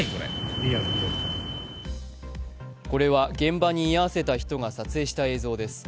これは現場に居合わせた人が撮影した映像です。